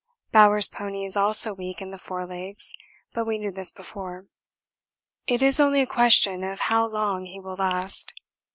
Bowers' pony is also weak in the forelegs, but we knew this before: it is only a question of how long he will last.